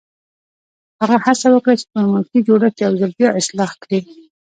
هغه هڅه وکړه چې ملکي جوړښت یو ځل بیا اصلاح کړي.